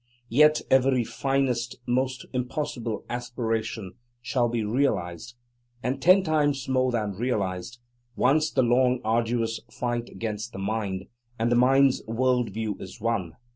Yet every finest, most impossible aspiration shall be realized, and ten times more than realized, once the long, arduous fight against the "mind," and the mind's worldview is won.